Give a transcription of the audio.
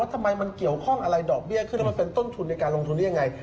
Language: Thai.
ทำไมมันเกี่ยวข้องอะไรดอกเบี้ยขึ้นแล้วมันเป็นต้นทุนในการลงทุนได้ยังไง